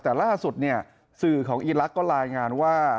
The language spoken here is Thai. แต่ล่าสุดเนี่ยสื่อของอีลักษณ์ก็รายงานว่า